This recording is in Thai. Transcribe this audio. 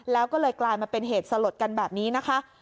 แล้วก็เลยกลายมาเป็นเหตุสลดกันแบบนี้นะคะ